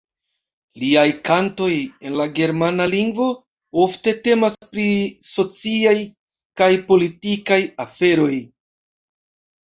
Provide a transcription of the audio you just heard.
Liaj kantoj, en la germana lingvo, ofte temas pri sociaj kaj politikaj aferoj.